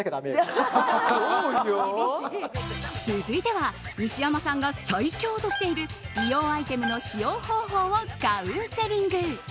続いては、西山さんが最強としている美容アイテムの使用方法をカウンセリング。